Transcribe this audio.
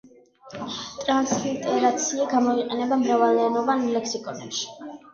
ტრანსლიტერაცია გამოიყენება მრავალენოვან ლექსიკონებში.